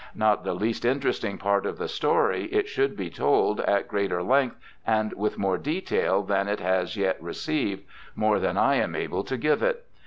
Not the least interesting part of the story, it should be told at greater length and with more detail than it has yet received— more than I am able to give it.